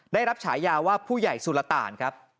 ได้รับฉายาว่าผู้ใหญ่สุรตานครับ